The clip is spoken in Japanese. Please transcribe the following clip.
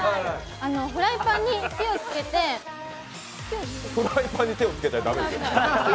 フライパンに手をつけてフライパンに手をつけたら駄目ですよ。